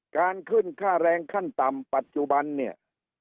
การขึ้นค่าแรงขั้นต่ำปัจจุบันเนี่ย